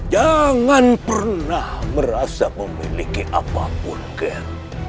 jangan pernah merasa memiliki apapun kan